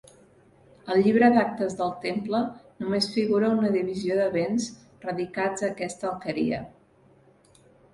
Al Llibre d'actes del Temple només figura una divisió de béns radicats a aquesta alqueria.